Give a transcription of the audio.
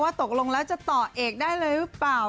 ตกลงแล้วจะต่อเอกได้เลยหรือเปล่า